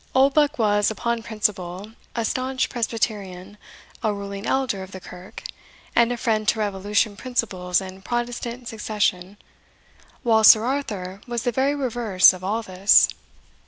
Oldbuck was, upon principle, a staunch Presbyterian, a ruling elder of the kirk, and a friend to revolution principles and Protestant succession, while Sir Arthur was the very reverse of all this.